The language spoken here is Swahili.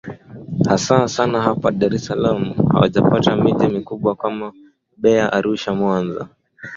hasa sana hapa dar es salaam hawajapata miji mikubwa kama beya arusha mwanza